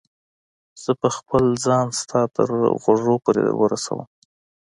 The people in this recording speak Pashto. زه به خپل ځان ستا تر غوږو پورې در ورسوم.